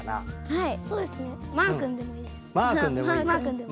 はい。